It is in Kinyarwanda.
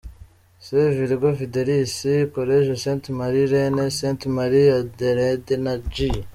S Virgo Fidelis, College St Marie Reine, Ste Marie Adelaide na G.